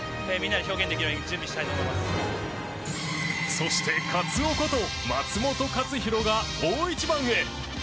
そして、カツオこと松元克央が大一番へ！